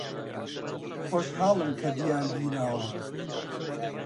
خۆشحاڵم کە دیار گیراوە.